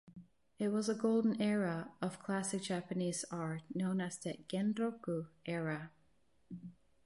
It was a golden era of classic Japanese art, known as the "Genroku era".